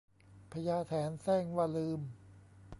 พญาแถนแสร้งว่าลืม